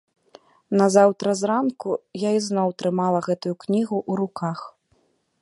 Назаўтра зранку я ізноў трымала гэтую кнігу ў руках.